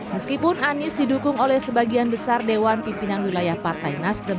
meskipun anies didukung oleh sebagian besar dewan pimpinan wilayah partai nasdem